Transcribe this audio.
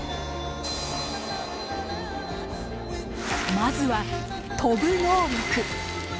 まずは飛ぶ能力。